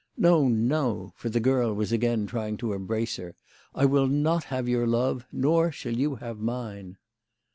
No, no," for the girl was again trying to embrace her. " I will not have your love, nor shall you have mine."